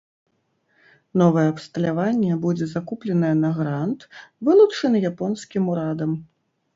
Новае абсталяванне будзе закупленае на грант, вылучаны японскім урадам.